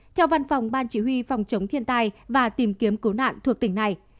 theo văn phòng ban chỉ huy phòng chống thiên tai và tìm kiếm cứu nạn thuộc tỉnh này